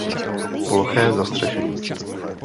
Ploché zastřešení.